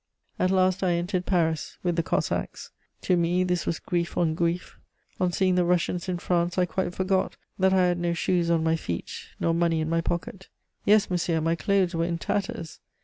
"At last I entered Paris with the Cossacks. To me this was grief on grief. On seeing the Russians in France, I quite forgot that I had no shoes on my feet nor money in my pocket. Yes, monsieur, my clothes were in tatters.